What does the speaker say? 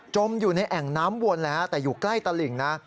มอยู่ในแอ่งน้ำวนแล้วแต่อยู่ใกล้ตะหลิ่งนะ